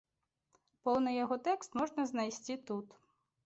Поўны яго тэкст можна знайсці тут.